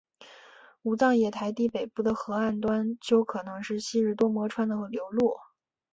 武藏野台地北部的河岸段丘可能是昔日多摩川的流路。